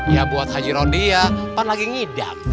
ya buat haji rodia pak lagi ngidam